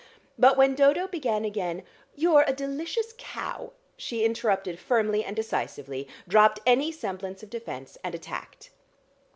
But when Dodo began again, "You're a delicious cow," she interrupted firmly and decisively, dropped any semblance of defence and attacked.